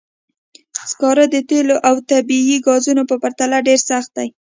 سکاره د تېلو او طبیعي ګازو په پرتله ډېر سخت دي.